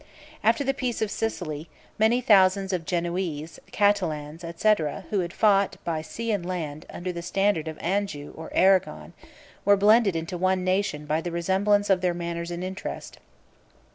After the peace of Sicily, many thousands of Genoese, Catalans, 47 &c., who had fought, by sea and land, under the standard of Anjou or Arragon, were blended into one nation by the resemblance of their manners and interest.